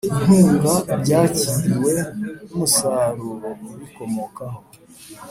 inkunga byakiriwe n umusaruro ubikomokaho